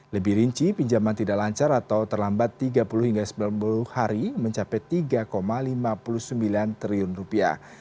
lebih rinci pinjaman tidak lancar atau terlambat tiga puluh hingga sembilan puluh hari mencapai tiga lima puluh sembilan triliun rupiah